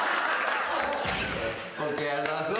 ありがとうございます。